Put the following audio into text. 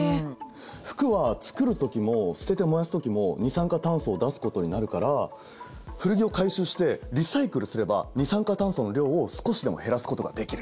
服は作る時も捨てて燃やす時も二酸化炭素を出すことになるから古着を回収してリサイクルすれば二酸化炭素の量を少しでも減らすことができる。